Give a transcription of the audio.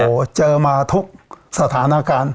เฮ่ยเฮ่ยเฮ้ยเฮ่ยเฮ้ยเธอมาทุกสถานการณ์